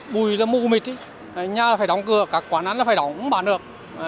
bùi là mù mịt nhà là phải đóng cửa các quán ăn là phải đóng không bán được